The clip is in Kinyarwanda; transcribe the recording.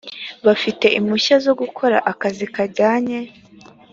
bafite impushya zo gukora akazi kajyanye